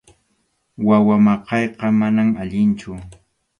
Wawa maqayqa manam allinchu.